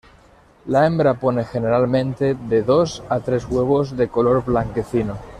La hembra pone generalmente de dos a tres huevos de color blanquecino.